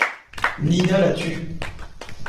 Nina la tue.